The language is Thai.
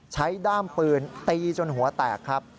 ด้ามปืนตีจนหัวแตกครับ